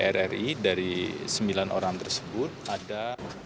dpr ri dari sembilan orang tersebut ada